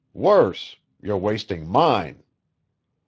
Worse, you're wasting mine."